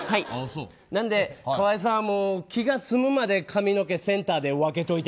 河井さんは気が済むまで髪の毛をセンターで分けといて。